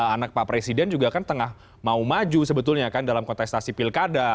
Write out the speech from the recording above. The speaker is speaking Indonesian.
anak pak presiden juga kan tengah mau maju sebetulnya kan dalam kontestasi pilkada